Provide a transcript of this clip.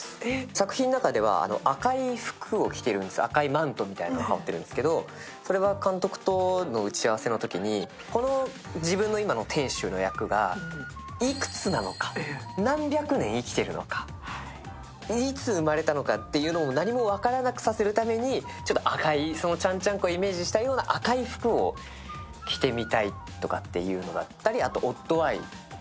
作品の中では赤い服を着てるんですよ、赤いマントみたいなのを羽織っているんですけど、それは監督との打ち合わせのときに、自分の今の店主の役なのか、いくつなのか、何百年生きているのか、いつ生まれたのかというのも何も分からなくするために赤いちゃんちゃんこをイメージしたような赤い服を着てみたいというのだったり、あと、オッドアイ。